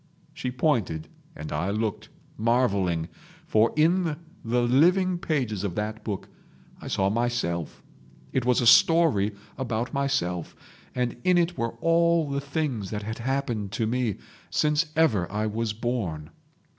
She pointed, and I looked, marvelling, for in the living pages of that book I saw myself; it was a story about myself, and in it were all the things that had happened to me since ever I was born